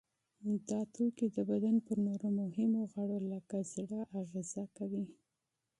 دا توکي د بدن پر نورو مهمو غړو لکه زړه اغیزه کوي.